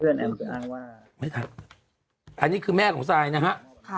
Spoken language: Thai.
เห้อนอ้ากว่าอันนี้คือแม่ของไซน์นะฮะ